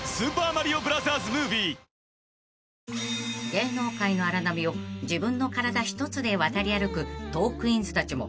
［芸能界の荒波を自分の体一つで渡り歩くトークィーンズたちも］